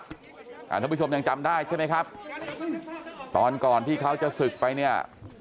ท่านผู้ชมยังจำได้ใช่ไหมครับตอนก่อนที่เขาจะศึกไปเนี่ย